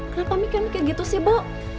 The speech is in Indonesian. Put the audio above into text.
kenapa mikir mikir gitu sih bu